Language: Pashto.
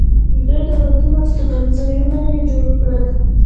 دوی دولتونه او استوګنځایونه یې جوړ کړل